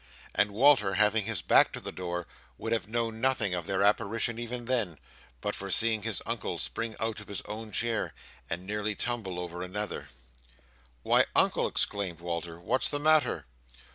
And Walter, having his back to the door, would have known nothing of their apparition even then, but for seeing his Uncle spring out of his own chair, and nearly tumble over another. "Why, Uncle!" exclaimed Walter. "What's the matter?"